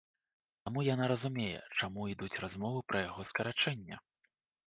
Таму яна разумее, чаму ідуць размовы пра яго скарачэнне.